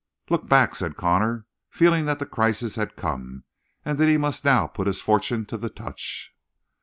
"Look back," said Connor, feeling that the crisis had come and that he must now put his fortune to the touch.